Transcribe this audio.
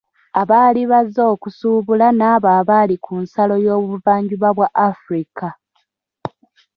Abaali bazze okusuubula n'abo abaalI ku nsalo y'obuvanjuba bwa Afrika.